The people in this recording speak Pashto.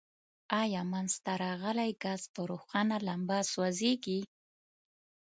آیا منځ ته راغلی ګاز په روښانه لمبه سوځیږي؟